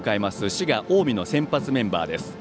滋賀・近江の先発メンバーです。